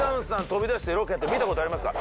飛び出してロケやってるの見たことありますか？